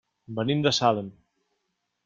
Venim de Salem.